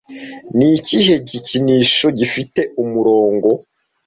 Ni ikihe gikinisho gifite umurongo